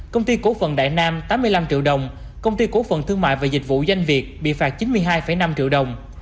công ty cổ phần đại nam tám mươi năm triệu đồng công ty cổ phần thương mại và dịch vụ doanh việt bị phạt chín mươi hai năm triệu đồng